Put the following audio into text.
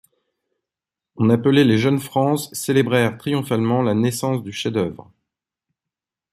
on appelait « les Jeune-France » célébrèrent triomphalement la naissance du chef-d’œuvre.